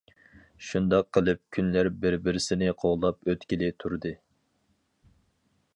شۇنداق قىلىپ كۈنلەر بىر-بىرسىنى قوغلاپ ئۆتكىلى تۇردى.